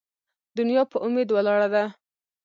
ـ دنيا په اميد ولاړه ده.